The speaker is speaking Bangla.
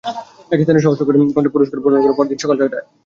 একই স্থানে সহস্র কণ্ঠে বর্ষবরণ অনুষ্ঠান শুরু হবে পরদিন সকাল ছয়টায়।